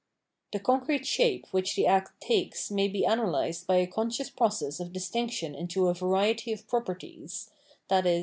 The concrete shape which the act takes may be analysed by a conscious process of distinction into a variety of properties, i.e.